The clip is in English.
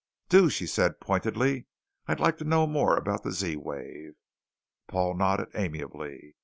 "Do," she said pointedly. "I'd like to know more about the Z wave." Paul nodded amiably.